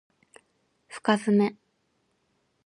深爪